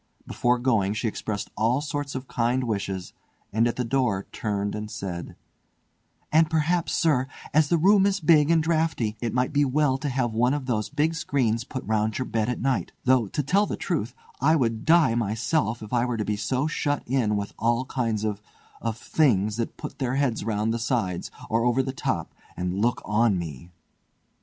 Before going she expressed all sorts of kind wishes; and at the door turned and said: "And perhaps, sir, as the room is big and draughty it might be well to have one of those big screens put round your bed at night—though, truth to tell, I would die myself if I were to be so shut in with all kinds of—of 'things', that put their heads round the sides, or over the top, and look on me!"